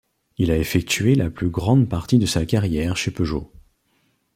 Il a effectué la plus grande partie de sa carrière chez Peugeot.